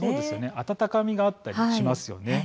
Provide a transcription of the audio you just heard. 温かみがあったりしますよね。